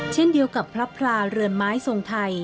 เช่นเดียวกับพระพลาเรือนไม้ทรงไทย